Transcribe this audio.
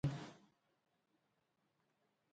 Издырӡаргьы…